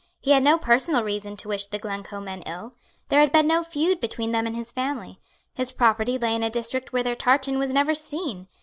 He had no personal reason to wish the Glencoe men ill. There had been no feud between them and his family. His property lay in a district where their tartan was never seen.